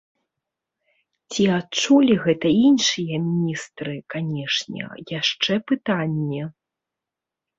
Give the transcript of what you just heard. Ці адчулі гэта іншыя міністры, канешне, яшчэ пытанне.